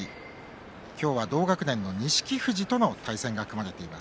今日は同学年の錦富士との対戦が組まれています。